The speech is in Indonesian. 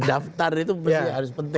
daftar itu harus penting